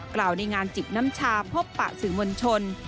กล่าวในงานจิบน้ำชาพบปะสื่อมวลชน